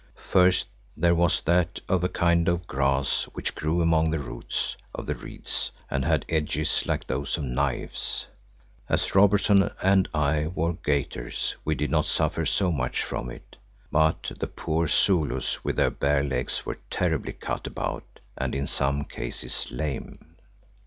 First there was that of a kind of grass which grew among the roots of the reeds and had edges like to those of knives. As Robertson and I wore gaiters we did not suffer so much from it, but the poor Zulus with their bare legs were terribly cut about and in some cases lame.